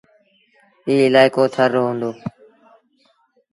ايٚ الآئيڪو ٿر رو هُݩدو۔